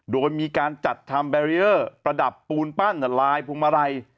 โดยมีการจัดทำแบรีเออร์ประดับปูนปั้นลายพวงมาลัย